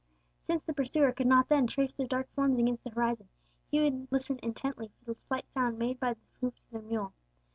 Since the pursuer could not then trace their dark forms against the horizon, he would listen intently for the slight sound made by the hoofs of their mule.